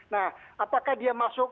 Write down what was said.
nah apakah dia masuk